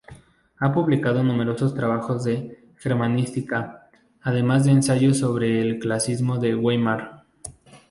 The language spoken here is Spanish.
Ha publicado numerosos trabajos de germanística además de ensayos sobre el Clasicismo de Weimar.